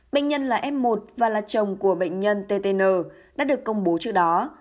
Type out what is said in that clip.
bệnh nhân là f một và là chồng của bệnh nhân ttn đã được công bố trước đó